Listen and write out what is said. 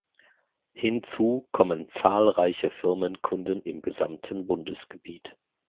Hinzu kommen zahlreiche Firmenkunden im gesamten Bundesgebiet.